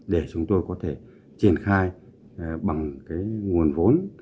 để chúng tôi có thể triển khai bằng cái nguồn vốn